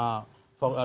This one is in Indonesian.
di forum perusahaan